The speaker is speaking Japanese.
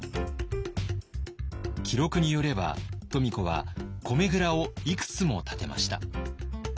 記録によれば富子は米倉をいくつも建てました。